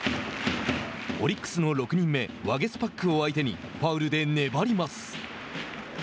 オリックスの６人目ワゲスパックを相手にファウルで粘ります。